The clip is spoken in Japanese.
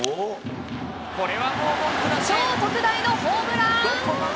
超特大のホームラン！